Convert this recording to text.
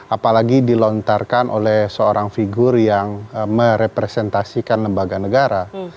apalagi dilontarkan oleh seorang figur yang merepresentasikan lembaga negara